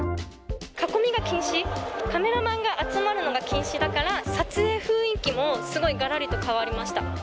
囲みが禁止、カメラマンが集まるのが禁止だから、撮影雰囲気もすごい、がらりと変わりました。